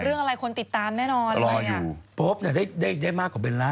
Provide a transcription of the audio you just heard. เรื่องอะไรคนติดตามแน่นอนอะไรอ่ะโป๊ปเนี่ยได้ได้มากกว่าเบลล่า